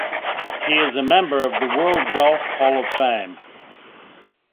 He is a member of the World Golf Hall of Fame.